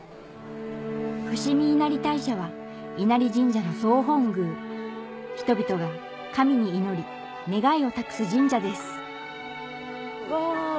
伏見稲荷大社は稲荷神社の総本宮人々が神に祈り願いを託す神社ですうわ。